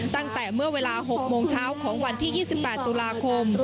ตั้งแต่เมื่อเวลา๖โมงเช้าของวันที่๒๘ตุลาคม